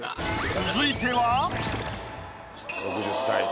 続いては。